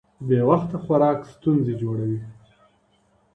بې وخته خوراک ستونزې جوړوي.